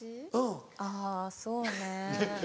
あぁそうね。